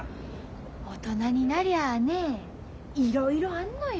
大人になりゃねいろいろあんのよ。